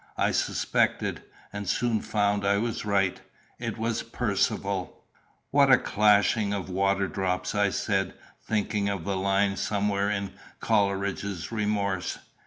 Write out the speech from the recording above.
I suspected, and soon found I was right; it was Percivale. "What a clashing of water drops!" I said, thinking of a line somewhere in Coleridge's Remorse.